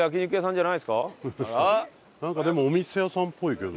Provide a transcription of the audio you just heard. なんかでもお店屋さんっぽいけど。